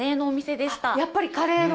やっぱりカレーの。